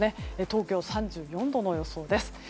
東京、３４度の予想です。